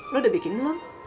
lu udah bikin belum